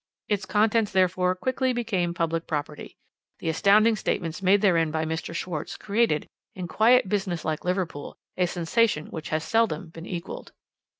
Its contents, therefore, quickly became public property. The astounding statements made therein by Mr. Schwarz created, in quiet, businesslike Liverpool, a sensation which has seldom been equalled.